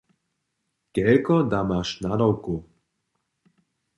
Kelko da maš nadawkow?